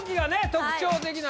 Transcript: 特徴的な・